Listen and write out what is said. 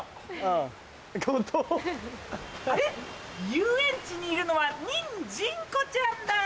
遊園地にいるのはニンジン子ちゃんだぁ。